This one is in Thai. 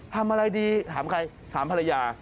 ทำอะไรดีถามใครถามภรรยา